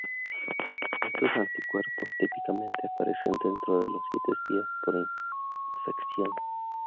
Estos anticuerpos típicamente aparecen dentro de los siete días post infección.